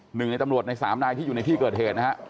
หนึ่งในตำรวจในสามนายที่อยู่ในที่เกิดเหตุนะฮะ